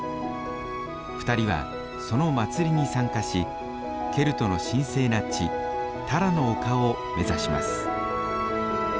２人はその祭りに参加しケルトの神聖な地タラの丘を目指します。